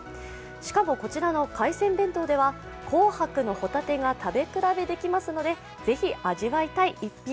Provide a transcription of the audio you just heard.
しかも、こちらの海鮮弁当では紅白のほたてが食べ比べできますので、ぜひ味わいたい１品。